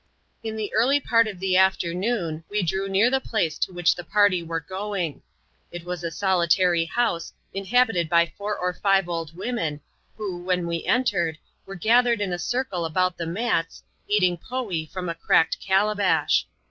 In the early part of the afternoon, we drew near the place to which the party were going. It was a solitary house, inhabited by four or five old women, who, when we entered, were ga thered in a circle about the mats, eating poee from a cracked calabash.